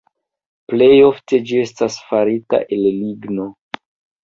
Plej ofte ĝi estas farita el ligno.